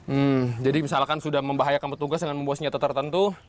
hmm jadi misalkan sudah membahayakan petugas dengan membawa senjata tertentu